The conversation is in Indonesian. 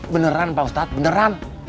beneran pak ustadz beneran